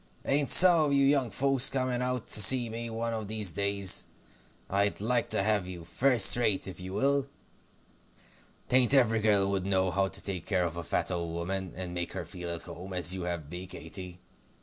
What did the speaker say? Ain't some of you young folks coming out to see me one of these days? I'd like to have you, first rate, if you will. 'Tain't every girl would know how to take care of a fat old woman, and make her feel to home, as you have me, Katy.